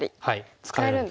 使えるんですね。